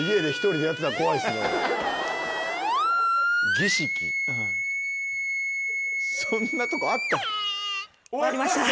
・儀式・そんなとこあった？